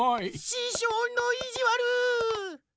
ししょうのいじわる！